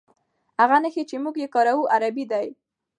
هغه نښې چې موږ یې کاروو عربي دي.